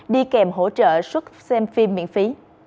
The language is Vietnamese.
đi kèm hỗ trợ xuất xem phim miễn phí